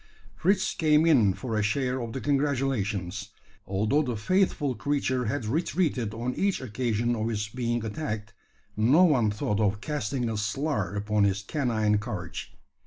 Fritz came in for a share of the congratulations. Although the faithful creature had retreated on each occasion of his being attacked, no one thought of casting a slur upon his canine courage.